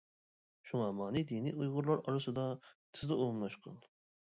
شۇڭا مانى دىنى ئۇيغۇرلار ئارىسىدا تېزلا ئومۇملاشقان.